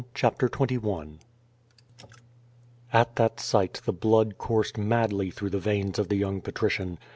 CHAPTER XXL At that sight the blood coursed madly through the veins of the young patrician.